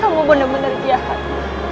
kamu benar benar jahat